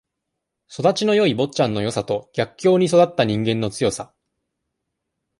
育ちのよい坊ちゃんのよさと、逆境に育った人間の強さ。